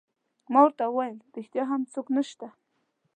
ما ورته وویل: ریښتیا هم څوک نشته؟